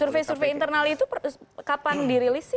survei survei internal itu kapan dirilis sih